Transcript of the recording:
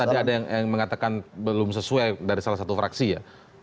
tadi ada yang mengatakan belum sesuai dari salah satu fraksi ya